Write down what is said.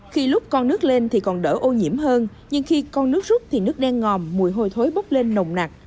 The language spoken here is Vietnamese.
khi lúc con nước lên thì còn đỡ ô nhiễm hơn nhưng khi con nước rút thì nước đen ngòm mùi hôi thối bốc lên nồng nặc